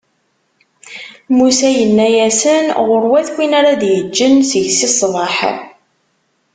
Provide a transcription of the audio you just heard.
Musa yenna-asen: ɣur-wat win ara d-iǧǧen seg-s i ṣṣbeḥ.